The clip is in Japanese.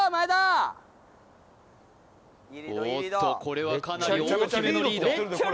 おっとこれはかなり大きめのリード